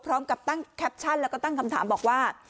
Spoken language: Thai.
พร้อมกับตั้งแคปชั่นแล้วก็ตั้งคำถามบอกว่า